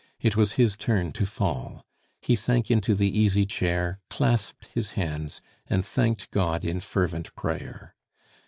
It was his turn to fall; he sank into the easy chair, clasped his hands, and thanked God in fervent prayer.